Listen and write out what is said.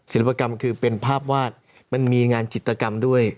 กรรมคือเป็นภาพวาดมันมีงานจิตกรรมด้วย